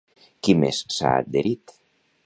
Qui més s'ha adherit?